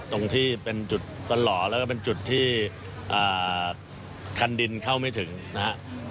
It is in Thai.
ตรงที่เป็นจุดสล่อแล้วก็เป็นจุดที่คันดินเข้าไม่ถึงนะครับ